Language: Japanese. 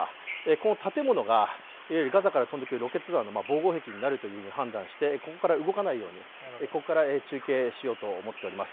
この建物がいわゆるガザから飛んでくるロケット弾の防護壁になるということでここから動かないように、ここから中継しようと思っております。